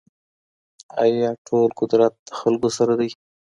آيا ټول قدرت د خلګو سره دی؟